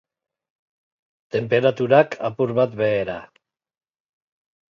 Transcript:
Tenperaturak, apur bat behera.